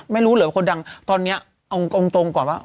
ไม่รู้เหรอว่าคนดังตอนนี้เอาตรงก่อนว่า